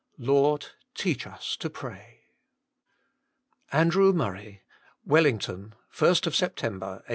Lord, teach us to pray. ANDREW MURRAY, WELLINGTON, 1st September 1897.